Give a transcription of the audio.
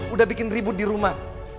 udah bikin ribut di rumah